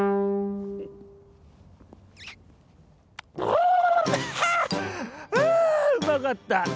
あうまかった」。